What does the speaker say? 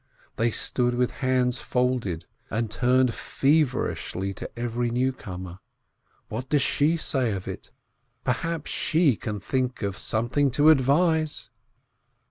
They stood with hands folded, and turned feverishly to every newcomer. What does she say to it? Perhaps she can think of something to advise.